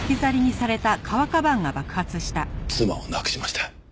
妻を亡くしました。